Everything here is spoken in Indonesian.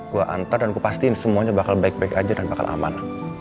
gue antar dan kupastiin semuanya bakal baik baik aja dan bakal aman